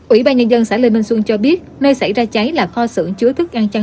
ủy ban nhân dân xã lê minh xuân cho biết nơi xảy ra cháy là kho xưởng chứa thức ăn chăn